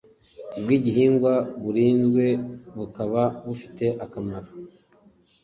bw igihingwa burinzwe bukaba bufite akamaro